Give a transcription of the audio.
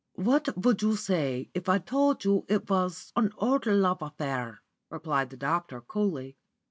"What would you say if I told you it was an old love affair?" replied the doctor, coolly.